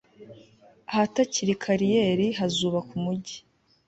Ahatakiri kariyeri hazubakwa umujyi